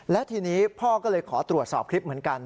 และทีนี้พ่อก็เลยขอตรวจสอบคลิปเหมือนกัน